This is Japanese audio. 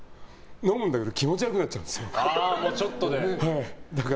飲むんだけど気持ち悪くなっちゃうんですよ。